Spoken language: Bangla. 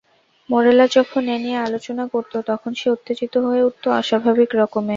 মোরেলা যখন এ নিয়ে আলোচনা করত তখন সে উত্তেজিত হয়ে উঠত অস্বাভাবিক রকমে।